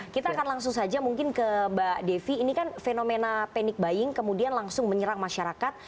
kita akan langsung saja mungkin ke mbak devi ini kan fenomena panic buying kemudian langsung menyerang masyarakat